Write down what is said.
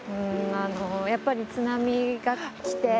やっぱり津波が来て。